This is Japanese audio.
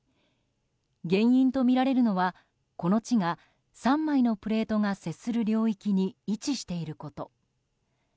原因とみられるのはこの地が３枚のプレートが接する領域に位置していること。